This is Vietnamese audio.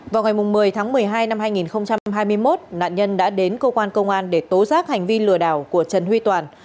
vào ngày một mươi tháng một mươi hai năm hai nghìn hai mươi một nạn nhân đã đến cơ quan công an để tố giác hành vi lừa đảo của trần huy toàn